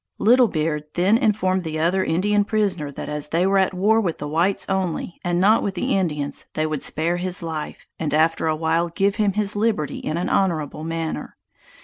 Little Beard then informed the other Indian prisoner that as they were at war with the whites only, and not with the Indians, they would spare his life, and after a while give him his liberty in an honorable manner.